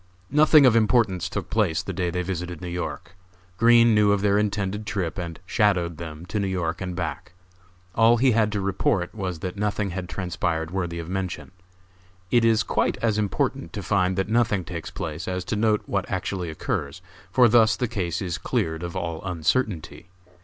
Nothing of importance took place the day they visited New York. Green knew of their intended trip and "shadowed" them to New York and back. All he had to report was that nothing had transpired worthy of mention. It is quite as important to find that nothing takes place as to note what actually occurs, for thus the case is cleared of all uncertainty.